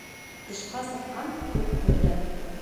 Тышҡа сыҡҡан күк күргән